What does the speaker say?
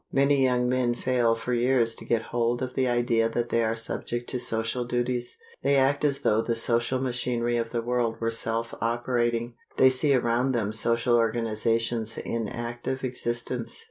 Many young men fail for years to get hold of the idea that they are subject to social duties. They act as though the social machinery of the world were self operating. They see around them social organizations in active existence.